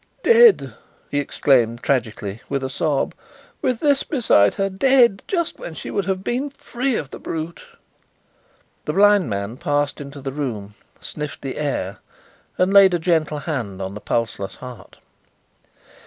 "Dead!" he exclaimed tragically, with a sob, "with this beside her. Dead just when she would have been free of the brute." The blind man passed into the room, sniffed the air, and laid a gentle hand on the pulseless heart.